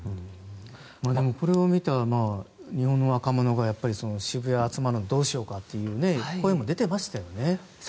これを見た日本の若者が渋谷に集まるのどうしようかという声も出ていましたよね。